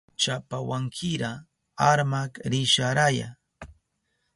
Chapawankira armak risharaya.